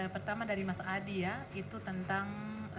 pertama dari mas adi ya itu tentang